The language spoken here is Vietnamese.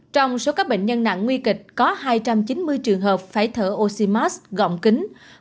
trong số các bệnh nhân nặng nguy kịch có hai trăm chín mươi trường hợp phải thở oxymos gọng kính